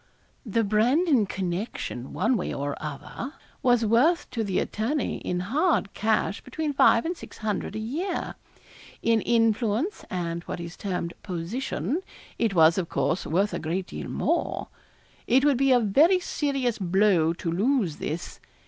The Brandon connection, one way or other, was worth to the attorney in hard cash between five and six hundred a year. In influence, and what is termed 'position,' it was, of course, worth a great deal more. It would be a very serious blow to lose this.